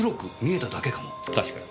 確かに。